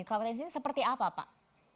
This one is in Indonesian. cloudx ini seperti apa pak